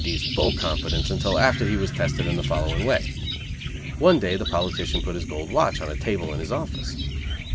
D.'s full confidence until after he was tested in the following way. One day the politician put his gold watch on a table in his office.